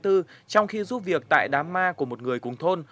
trong khi giúp việc tại đám ma của một người cùng thôn